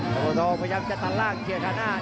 อินทรีย์แดงพยายามจะตัดล่างเกลียดข้างหน้า